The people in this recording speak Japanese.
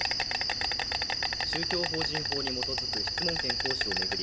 宗教法人法に基づく質問権行使を巡り